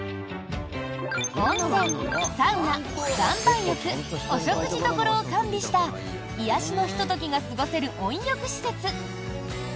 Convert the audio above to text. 温泉、サウナ、岩盤浴お食事処を完備した癒やしのひと時が過ごせる温浴施設。